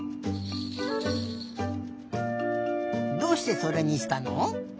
どうしてそれにしたの？